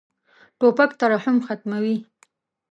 توپک ترحم ختموي.